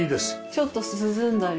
ちょっと涼んだり。